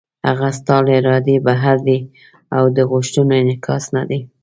هغه ستا له ارادې بهر دی او د غوښتنو انعکاس نه دی.